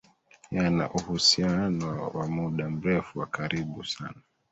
yana uhusiano wa muda mrefu wa karibu sana